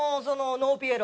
ノーピエロ？